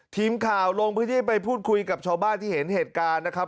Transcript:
ทีมข่าวลงพื้นที่ไปพูดคุยกับชาวบ้านที่เห็นเหตุการณ์นะครับ